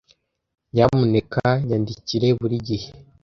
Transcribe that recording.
Nyamuneka nyandikire buri gihe.